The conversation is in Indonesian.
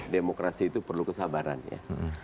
demokrasi itu perlu kesabaran ya